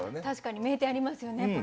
確かに名店ありますよね